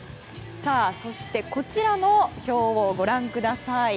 さあ、そしてこちらの表をご覧ください。